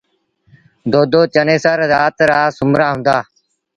دودو چنيسر زآت رآ سومرآ هُݩدآ۔